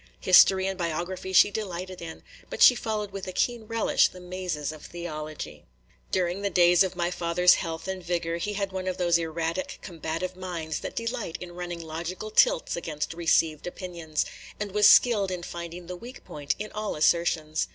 History and biography she delighted in, but she followed with a keen relish the mazes of theology. During the days of my father's health and vigor, he had one of those erratic, combative minds that delight in running logical tilts against received opinions, and was skilled in finding the weak point in all assertions.